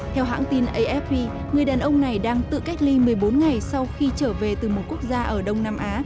theo hãng tin afp người đàn ông này đang tự cách ly một mươi bốn ngày sau khi trở về từ một quốc gia ở đông nam á